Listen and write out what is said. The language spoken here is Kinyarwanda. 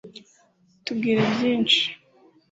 tubwire byinshi